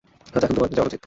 হয়তো এখন তোমার যাওয়া উচিৎ।